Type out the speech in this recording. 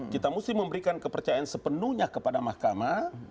kita mesti memberikan kepercayaan sepenuhnya kepada mahkamah